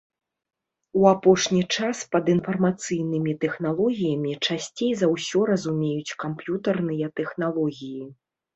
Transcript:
У апошні час пад інфармацыйнымі тэхналогіямі часцей за ўсё разумеюць камп'ютарныя тэхналогіі.